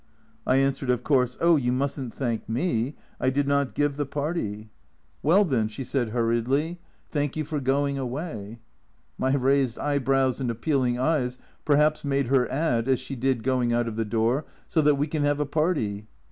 I answered, of course, "Oh, you mustn't thank me, I did not give the party." " Well, 260 A Journal from Japan then," she said hurriedly, " thank you for going away." My raised eyebrows and appealing eyes perhaps made her add, as she did going out of the door, "so that we can have a party."